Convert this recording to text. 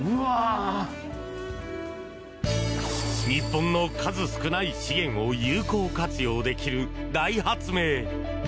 日本の数少ない資源を有効活用できる大発明。